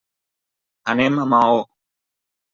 Anem a Maó.